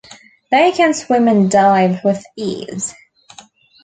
They can swim and dive with ease.